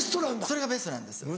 それがベストなんですよ。